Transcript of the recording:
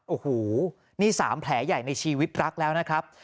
โอ้โหนี่๓แผลใหญ่ในชีวิตรักแล้วนะครับ